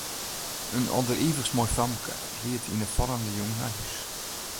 In alderivichst moai famke ried yn 'e fallende jûn nei hús.